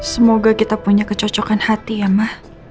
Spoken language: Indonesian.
semoga kita punya kecocokan hati ya ma